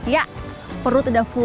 ya perut udah full